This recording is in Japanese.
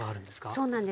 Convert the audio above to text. そうなんです。